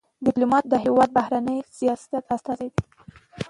ډيپلومات د هېواد د بهرني سیاست استازی دی.